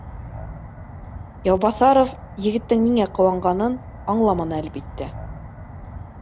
Яубаҫаров егеттең ниңә ҡыуанғанын аңламаны, әлбиттә